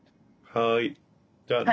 はいじゃあね。